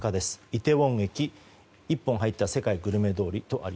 イテウォン駅１本入った世界グルメ通り。